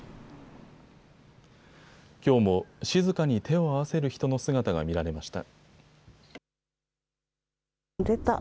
きょうも静かに手を合わせる人の姿が見られました。